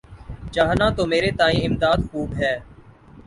چاہنا تو مرے تئیں امداد خوب ہے۔